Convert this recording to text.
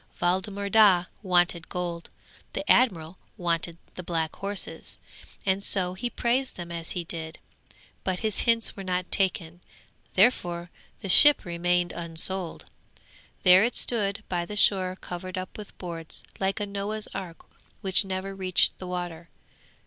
Waldemar Daa wanted gold; the admiral wanted the black horses, and so he praised them as he did; but his hints were not taken, therefore the ship remained unsold. There it stood by the shore covered up with boards, like a Noah's Ark which never reached the water.